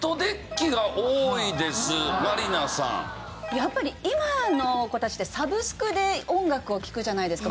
やっぱり今の子たちってサブスクで音楽を聴くじゃないですか。